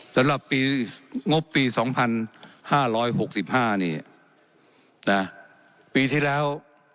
สำหรับปีงบปีสองพันห้าร้อยหกสิบห้านี่นะปีที่แล้ว